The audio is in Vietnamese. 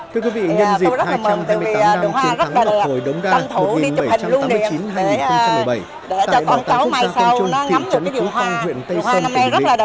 các quý vị nhận dịp hai trăm hai mươi tám năm truyền thắng lọc hồi đông ga một nghìn bảy trăm tám mươi chín hai nghìn một mươi bảy tại đoạn tám phút xa công chung tỉnh trấn của phong viện tây sơn tỉnh việt